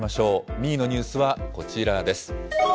２位のニュースはこちらです。